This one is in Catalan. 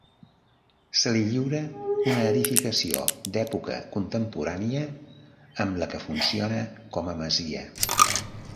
Se li lliura una edificació d'època contemporània, amb la que funciona com a masia.